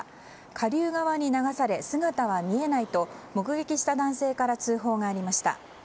下流側に流され姿は見えないと目撃した男性から通報がありました。